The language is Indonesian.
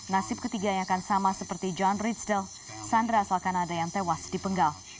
nasib ketiga yang akan sama seperti john rizdal sandra asal kanada yang tewas dipenggal